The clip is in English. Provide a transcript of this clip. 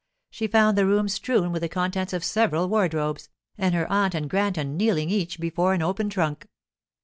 She found the room strewn with the contents of several wardrobes, and her aunt and Granton kneeling each before an open trunk.